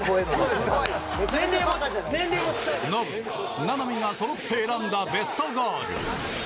ノブ、名波がそろって選んだベストゴール。